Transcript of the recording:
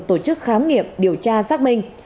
tổ chức khám nghiệp điều tra xác minh